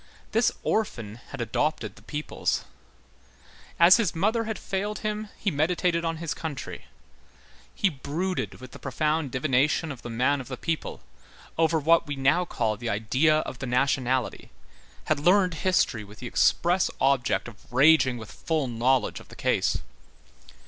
This orphan had adopted the peoples. As his mother had failed him, he meditated on his country. He brooded with the profound divination of the man of the people, over what we now call the idea of the nationality, had learned history with the express object of raging with full knowledge of the case.